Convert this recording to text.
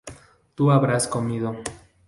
tu habrás comido